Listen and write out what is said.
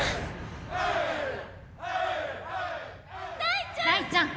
大ちゃん！